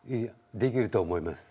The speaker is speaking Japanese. できると思います。